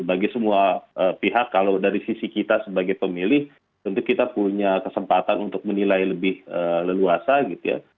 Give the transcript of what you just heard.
bagi semua pihak kalau dari sisi kita sebagai pemilih tentu kita punya kesempatan untuk menilai lebih leluasa gitu ya